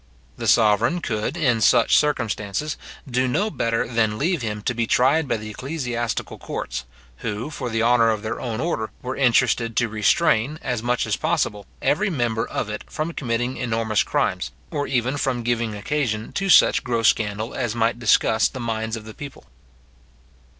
The sovereign could, in such circumstances, do no better than leave him to be tried by the ecclesiastical courts, who, for the honour of their own order, were interested to restrain, as much as possible, every member of it from committing enormous crimes, or even from giving occasion to such gross scandal as might disgust the minds of the people.